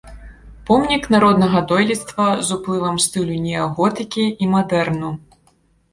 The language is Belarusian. Помнік народнага дойлідства з уплывам стылю неаготыкі і мадэрну.